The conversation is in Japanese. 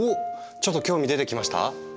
ちょっと興味出てきました？